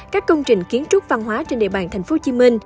các công trình kiến trúc văn hóa trên địa bàn tp hcm